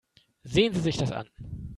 Sehen Sie sich das an.